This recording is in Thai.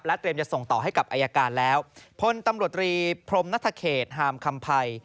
เตรียมจะส่งต่อให้กับอายการแล้วพลตำรวจรีพรมนัฐเขตฮามคำภัย